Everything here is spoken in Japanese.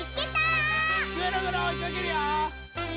ぐるぐるおいかけるよ！